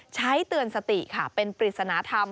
เตือนสติค่ะเป็นปริศนธรรม